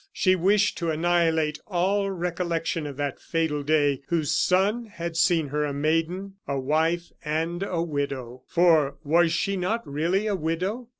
She wished to annihilate all recollection of that fatal day whose sun had seen her a maiden, a wife, and a widow. For was she not really a widow?